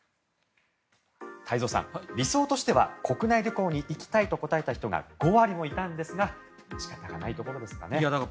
太蔵さん、理想としては国内旅行に行きたいと答えた人が５割もいたんですが仕方がないところですかね。